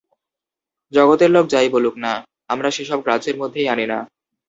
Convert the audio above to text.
জগতের লোক যাই বলুক না, আমরা সে সব গ্রাহ্যের মধ্যেই আনি না।